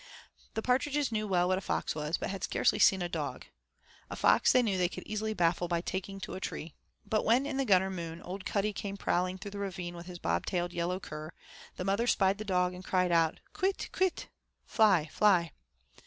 The partridges knew well what a fox was, but had scarcely seen a dog. A fox they knew they could easily baffle by taking to a tree, but when in the Gunner Moon old Cuddy came prowling through the ravine with his bob tailed yellow cur, the mother spied the dog and cried out, 'Kwit! kwit!' (Fly, fly).